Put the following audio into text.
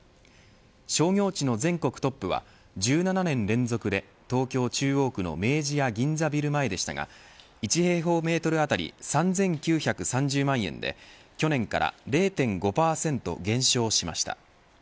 商業地の全国トップは１７年連続で東京、中央区の明治屋銀座ビル前でしたが１平方メートル当たり３９３０万円で去年から０．５％減少しました。